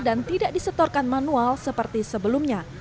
dan tidak disetorkan manual seperti sebelumnya